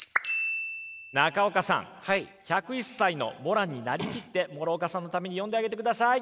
中岡さん１０１歳のモランになりきって諸岡さんのために読んであげてください。